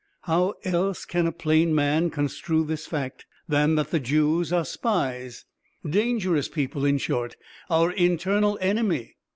How else can a plain man construe this fact than that the Jews are spies, dangerous people, in short, our internal enemy?